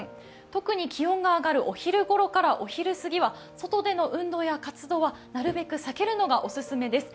特に気温が上がる、お昼ごろからお昼過ぎは、外での運動や活動はなるべく避けるのがお勧めです。